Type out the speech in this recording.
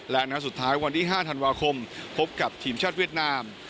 และนัดสุดท้ายวันที่๕ธันวาคมพบกับทีมชาติเวียดนาม